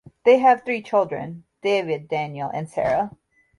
They have three children: David, Daniel and Sara.